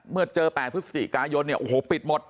เมื่อเจอ๘พฤศจิกายนเนี่ยโอ้โหปิดหมด